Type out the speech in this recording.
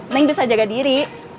neng bisa jaga diri